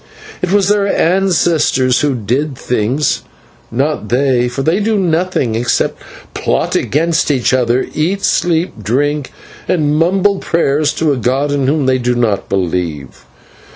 It was their ancestors who did the things, not they, for they do nothing except plot against each other, eat, sleep, drink, and mumble prayers to a god in whom they do not believe.